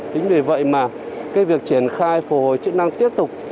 tính vì vậy mà cái việc triển khai phù hồi chức năng tiếp tục